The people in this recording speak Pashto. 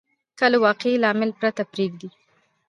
که له واقعي لامل پرته پرېږدي.